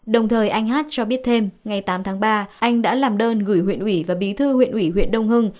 đồng thời anh hát cho biết thêm ngày tám tháng ba anh đã làm đơn gửi huyện ủy và bí thư huyện ủy huyện đông hưng